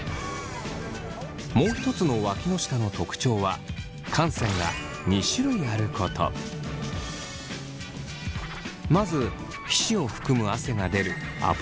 もう一つのわきの下の特徴はまず皮脂を含む汗が出るアポクリン腺。